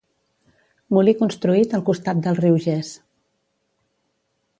Molí construït al costat del riu Ges.